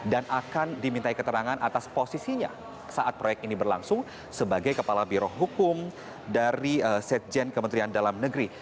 dan akan dimintai keterangan atas posisinya saat proyek ini berlangsung sebagai kepala biroh hukum dari setjen kementerian dalam negeri